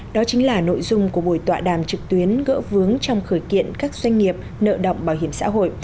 đó chính là nội dung của buổi tọa đàm trực tuyến gỡ vướng trong khởi kiện các doanh nghiệp nợ động bảo hiểm xã hội